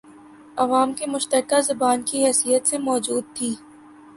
عوام کی مشترکہ زبان کی حیثیت سے موجود تھی